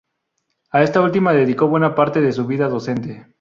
A esta última dedicó buena parte de su vida docente.